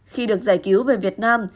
khi được giải cứu về việt nam